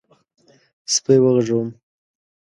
_سپی وغږوم؟